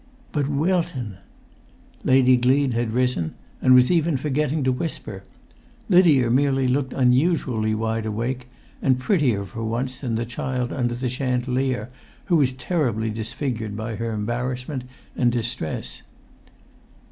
"But, Wilton——" Lady Gleed had risen, and was even forgetting to whisper. Lydia merely looked unusually wide awake, and prettier for once than the child under the chandelier, who was terribly disfigured by her embarrassment and distress.